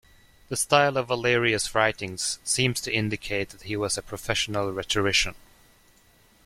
The style of Valerius's writings seems to indicate that he was a professional rhetorician.